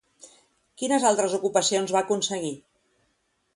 Quines altres ocupacions va aconseguir?